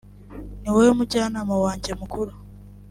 ni wowe mujyanama wanjye mukuru